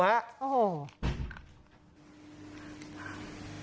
โอ้โห